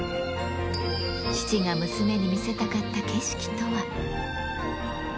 父が娘に見せたかった景色とは。